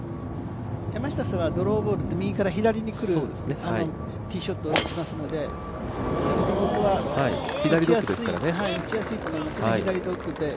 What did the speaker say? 山下さんは右から左にくるティーショットを打ちますので打ちやすいと思いますね。